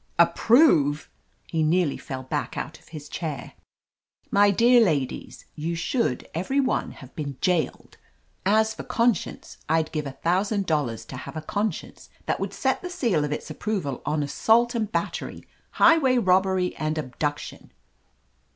"Approve !" He nearly fell back out of his chair. "My dear ladies, you should every one have been jailed ! As for conscience, I'd give a thousand dollars to have a conscience that 243 THE AMAZING ADVENTURES would set the seal of its approval on assault and battery, highway robbery and abduction."